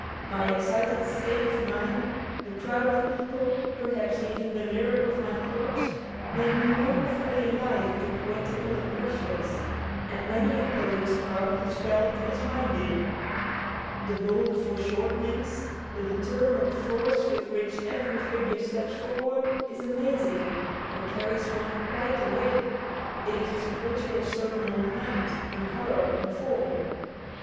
My excited state of mind, the crowd of people, perhaps even the lyric of my thoughts, made me wonderfully alive to poetical impressions; and many a poet's heart has felt as mine did! The bold foreshortenings, the determinate force with which every figure steps forward, is amazing, and carries one quite away! It is a spiritual Sermon on the Mount, in color and form.